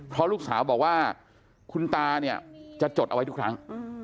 เพราะลูกสาวบอกว่าคุณตาเนี่ยจะจดเอาไว้ทุกครั้ง